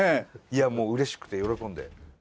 いやもううれしくて喜んで。